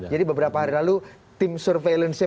jadi beberapa hari lalu tim surveillance